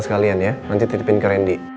sekalian ya nanti titipin ke randy